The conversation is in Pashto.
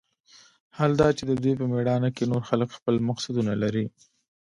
حال دا چې د دوى په مېړانه کښې نور خلق خپل مقصدونه لري.